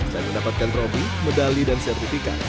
selain mendapatkan trobi medali dan sertifikat